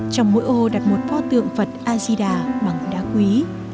trong mỗi ô đặt một pho tượng phật ajida bằng đá quý